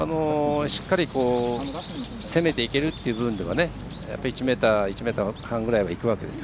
しっかり攻めていけるという部分では１ｍ、１ｍ半ぐらいはいくわけです。